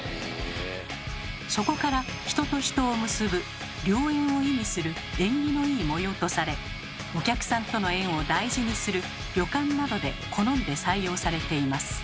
そこから「人と人を結ぶ」良縁を意味する縁起のいい模様とされお客さんとの縁を大事にする旅館などで好んで採用されています。